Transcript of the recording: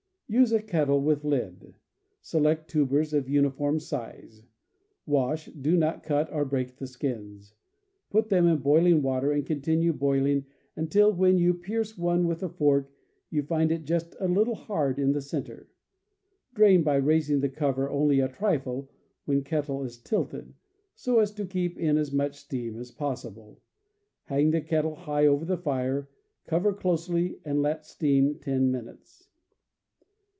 — Use a kettle with lid. Select tubers of uniform size; wash; do not cut or break the skins. Put them in boiling water, and continue boiling until, when you pierce one with a fork, you find it just a little hard in the center. Drain by rais ing the cover only a trifle when kettle is tilted, so as to keep in as much steam as possible. Hang the kettle high over the fire, cover closely, and let steam ten minutes.